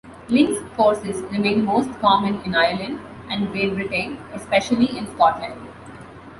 Links courses remain most common in Ireland and Great Britain, especially in Scotland.